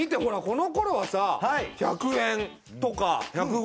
このころはさ１００円とか１５０円でしょ。